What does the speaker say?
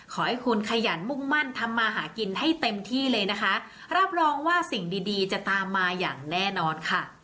ขอให้คุณขยันมุ่งมั่นทำมาหากินให้เต็มที่เลยนะคะรับรองว่าสิ่งดีดีจะตามมาอย่างแน่นอนค่ะ